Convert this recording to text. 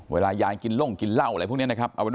เวลายายกินล่งกินเหล้าอะไรพวกนี้นะครับ